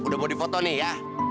udah mau difoto nih ya